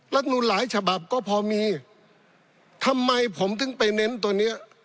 นูลหลายฉบับก็พอมีทำไมผมถึงไปเน้นตัวเนี้ย